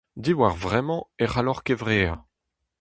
Diwar vremañ e c'halloc'h kevreañ.